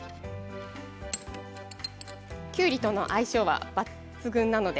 きゅうりとの相性は抜群なので。